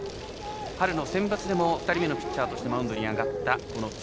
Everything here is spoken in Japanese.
春のセンバツでも２人目のピッチャーとしてマウンドに上がった、この辻。